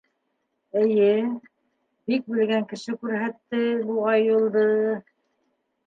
Эйе... бик белгән кеше күрһәтте, буғай, юлды.